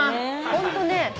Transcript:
ホントね。